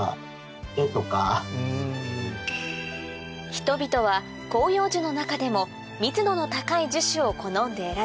人々は広葉樹の中でも密度の高い樹種を好んで選び